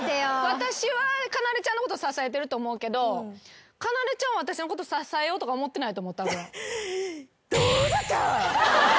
私はかなでちゃんのこと支えてると思うけどかなでちゃんは私のこと支えようとか思ってないと思うたぶん。